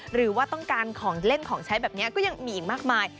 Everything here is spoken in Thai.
หรือว่าต้องการของเล่นของใช้แบบนี้ก็ยังมีอีกมากมาย